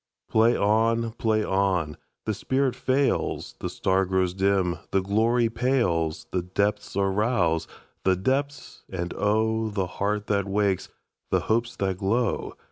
Play on! Play on! The spirit fails, The star grows dim, the glory pales, The depths are roused—the depths, and oh! The heart that wakes, the hopes that glow!